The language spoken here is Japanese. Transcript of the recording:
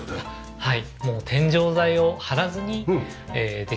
はい。